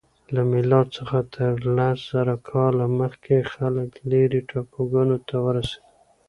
له میلاد څخه تر لس زره کاله مخکې خلک لیرې ټاپوګانو ته ورسیدل.